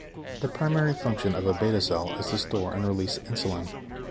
The primary function of a beta cell is to store and release insulin.